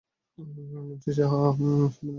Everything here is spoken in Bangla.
মুন্সি শাহ সুফি নজির উদ্দিন